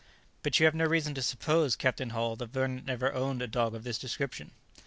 "But you have no reason to suppose, Captain Hull, that Vernon ever owned a dog of this description?"